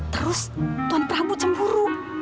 terus tuan prabu cemburu